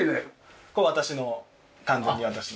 これ私の完全に私の。